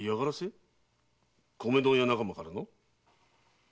米問屋仲間からの？